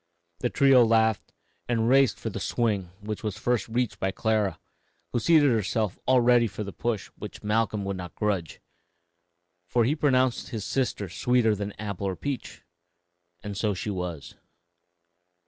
The trio laughed and raced for the swing, which was first reached by Clara, who seated herself all ready for the push which Malcolm would not grudge, for he pronounced his sister sweeter than apple or peach; and so she was.